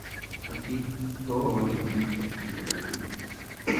Aquí todo vale para subir a la cumbre.